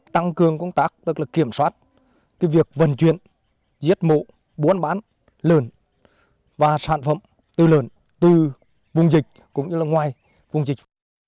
tăng cường công tác tức là kiểm soát cái việc vận chuyển giết mộ bốn bán lợn và sản phẩm từ lợn từ vùng dịch cũng như là ngoài vùng dịch